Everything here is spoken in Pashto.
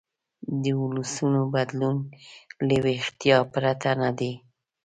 د ولسونو بدلون له ویښتیا پرته نه دی.